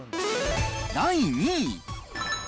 第２位。